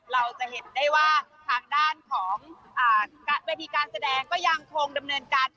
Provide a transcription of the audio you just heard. เราจะเห็นได้ว่าทางด้านของเวทีการแสดงก็ยังคงดำเนินการ